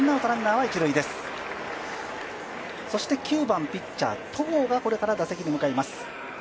９番ピッチャー・戸郷がこれから打席に向かいます。